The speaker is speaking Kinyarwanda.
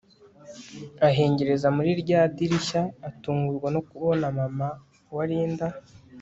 ahengereza muri rya dirishya atungurwa no kubona mama wa Linda